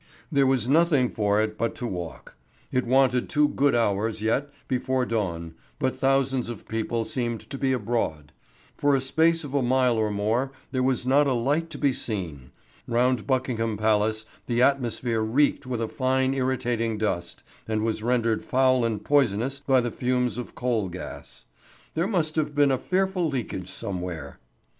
There was nothing for it but to walk. It wanted two good hours yet before dawn, but thousands of people seemed to be abroad. For a space of a mile or more there was not a light to be seen. Round Buckingham Palace the atmosphere reeked with a fine irritating dust, and was rendered foul and poisonous by the fumes of coal gas. There must have been a fearful leakage somewhere.